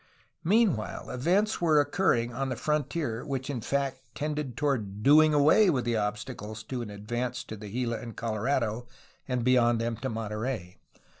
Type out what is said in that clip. Meanwhile, events were occurring on the frontier which in fact tended toward doing away with the obstacles to an advance to the Gila and Colorado and beyond them to Monterey.